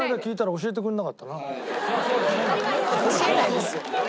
教えないですよ。